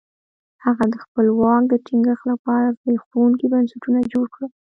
هغه د خپل واک د ټینګښت لپاره زبېښونکي بنسټونه جوړ کړل.